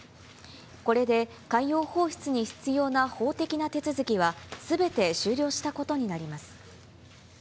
これで、海洋放出に必要な法的な手続きはすべて終了したことになります。